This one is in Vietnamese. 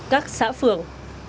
các xã phường